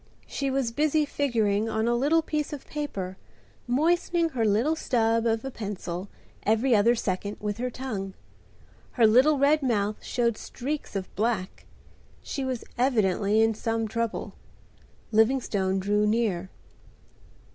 She was busy figuring on a little piece of paper, moistening her little stub of a pencil, every other second, with her tongue. Her little red mouth showed streaks of black. She was evidently in some trouble. Livingstone drew near.